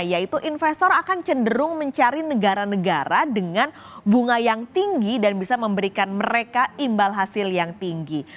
yaitu investor akan cenderung mencari negara negara dengan bunga yang tinggi dan bisa memberikan mereka imbal hasil yang tinggi